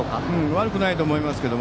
悪くないと思います。